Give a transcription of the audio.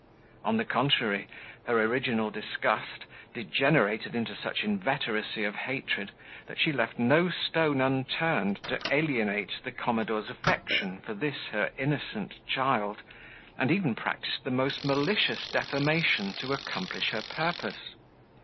On the contrary, her original disgust degenerated into such inveteracy of hatred, that she left no stone unturned to alienate the commodore's affection for this her innocent child, and even practised the most malicious defamation to accomplish her purpose.